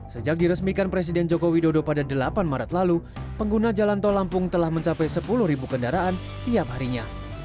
sejak diresmikan presiden joko widodo pada delapan maret lalu pengguna jalan tol lampung telah mencapai sepuluh ribu kendaraan tiap harinya